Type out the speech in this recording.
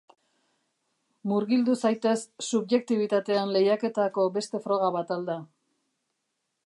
Murgildu zaitez subjektibitatean lehiaketako beste froga bat al da?